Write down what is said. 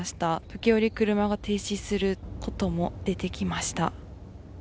時折、車が停止することも出てきました。